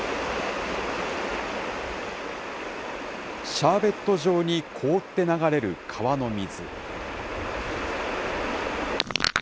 シャーベット状に凍って流れる川の水。